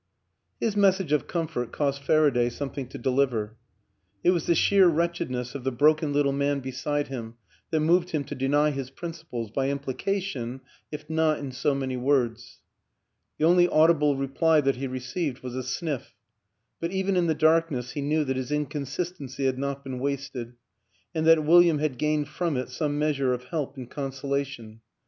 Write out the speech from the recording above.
His message of comfort cost Farc.ch.y some thing to deliver; it was the sheer wretchedness of the broken little man beside him that moved him to deny his principles, by implication if not in so many words. The only audible reply that he re ceived was a sniff, but even in the darkness he knejv that his inconsistency had not been wasted, and that William had gained from it some meas ure of help and consolation.